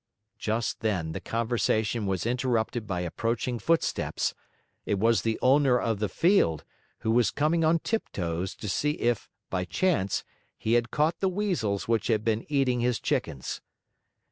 Just then, the conversation was interrupted by approaching footsteps. It was the owner of the field, who was coming on tiptoes to see if, by chance, he had caught the Weasels which had been eating his chickens.